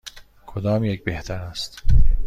کدام یک بهتر است؟